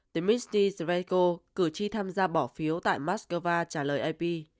dmitry zverevko cử tri tham gia bỏ phiếu tại moskova trả lời ip